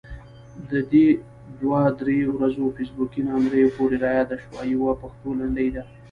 د دې دوه درې ورځو فیسبوکي ناندريو پورې رایاده شوه، يوه پښتو لنډۍ ده: